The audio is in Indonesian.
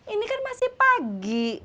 ini kan masih pagi